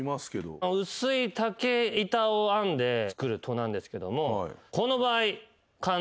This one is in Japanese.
薄い竹板を編んで作る戸なんですけども。